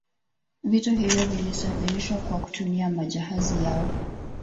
Vitu hivyo vilisafirishwa kwa kutumia majahazi yao